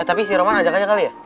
eh tapi si roman ajak aja kali ya